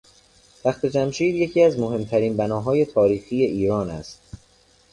تختجمشید یکی از مهمترین بناهای تاریخی ایران است.